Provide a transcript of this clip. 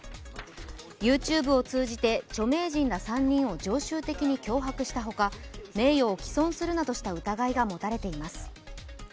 ＹｏｕＴｕｂｅを通じて著名人ら３人を常習的に脅迫したほか、名誉を毀損するなどした疑いが持たれています。